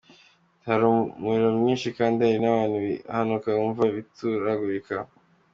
Ati"Hari umuriro mwinshi kandi hari n’ibintu bihanuka wumva bituragurika.